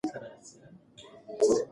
هغه څوک چې ځان نه پېژني نور نسي پېژندلی.